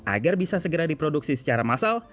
agar bisa segera diproduksi secara massal